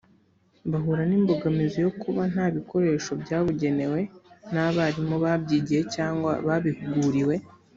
bahura n imbogamizi yo kuba nta bikoresho byabugenewe n abarimu babyigiye cyangwa babihuguriwe